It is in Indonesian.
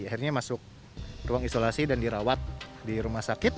akhirnya masuk ruang isolasi dan dirawat di rumah sakit